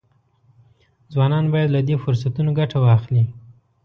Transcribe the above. ځوانان باید له دې فرصتونو ګټه واخلي.